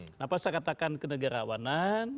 kenapa saya katakan kenegarawanan